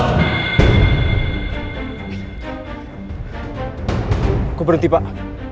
aku berhenti pak